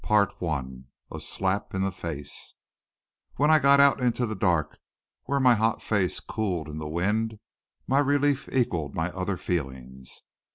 Chapter 10 A SLAP IN THE FACE When I got out into the dark, where my hot face cooled in the wind, my relief equaled my other feelings.